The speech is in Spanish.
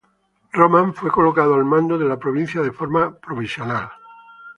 Román fue colocado al mando de la provincia de forma provisoria.